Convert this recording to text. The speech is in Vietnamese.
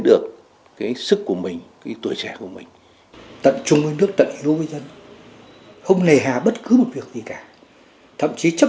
để có thể cung cấp